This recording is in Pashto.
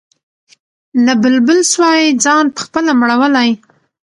نه بلبل سوای ځان پخپله مړولای